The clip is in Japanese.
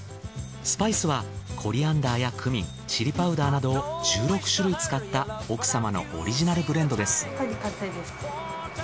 スパイスはコリアンダーやクミンチリパウダーなどを１６種類使った奥様のオリジナルブレンドです。